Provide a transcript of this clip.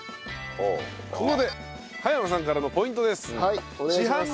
ここで羽山さんからのポイントです。